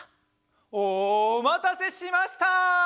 おまたせしました！